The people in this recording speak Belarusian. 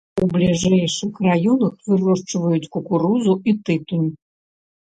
У бліжэйшых раёнах вырошчваюць кукурузу і тытунь.